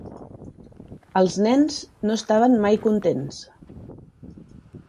Els nens no estaven mai contents.